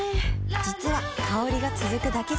実は香りが続くだけじゃない